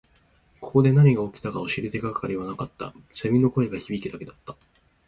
ここで何が起きたのかを知る手がかりはなかった。蝉の声が響くだけだった。